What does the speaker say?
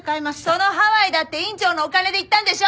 そのハワイだって院長のお金で行ったんでしょ？